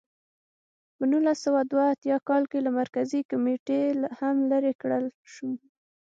په نولس سوه دوه اتیا کال کې له مرکزي کمېټې هم لرې کړل شو.